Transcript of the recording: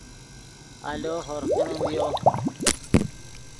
آلو ہورغ کینیم ڤیو